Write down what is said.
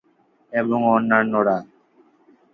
এবং অন্যান্যরা।